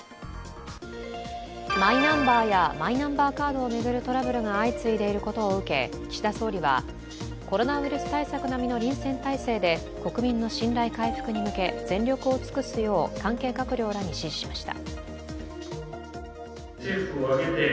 マイナンバーやマイナンバーカードを巡るトラブルが相次いでいることを受け岸田総理はコロナウイルス対策並みの臨戦態勢で国民の信頼に向け全力を尽くすよう関係閣僚らに指示しました。